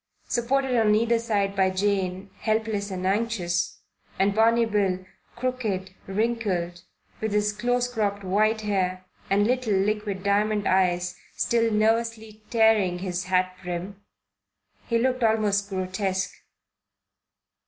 Supported on either side by Jane, helpless and anxious, and Barney Bill, crooked, wrinkled, with his close cropped white hair and little liquid diamond eyes, still nervously tearing his hat brim, he looked almost grotesque.